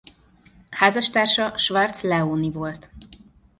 Házastársa Schwarz Leoni volt.